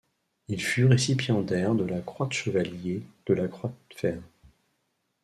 Il fut récipiendaire de la Croix de chevalier de la croix de Fer.